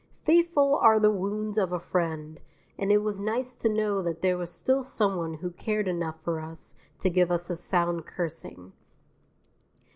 Faithful are the wounds of a friend, and it was nice to know that there was still someone who cared enough for us to give us a sound cursing.